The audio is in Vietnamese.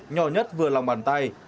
nhỏ nhất vừa lòng bàn tay